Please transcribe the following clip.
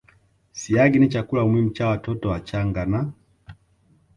Siagi ni chakula muhimu cha watoto wachanga na